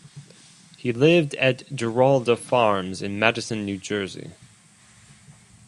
He lived at Giralda Farms in Madison, New Jersey.